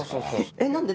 えっ何で？